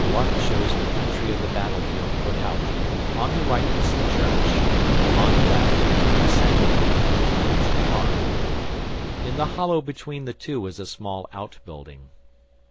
] Figure 1 shows the country of the battlefield put out; on the right is the church, on the left (near the centre of the plate) is the farm. In the hollow between the two is a small outbuilding.